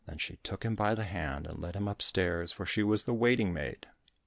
She took him by the hand and led him upstairs, for she was the waiting maid.